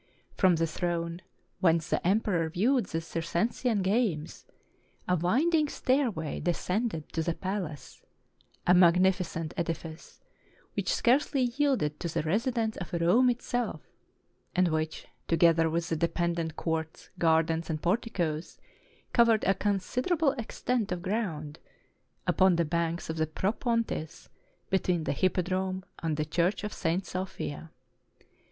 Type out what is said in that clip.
From the throne, whence the emperor viewed the Circensian games, a winding stairway descended to the palace ; a magnificent edifice, which scarcely yielded to the residence of Rome itself, and which, together with the dependent courts, gardens, and porticoes, covered a considerable extent of ground upon the banks of the Propontis between the Hippodrome and the church of St. Sophia.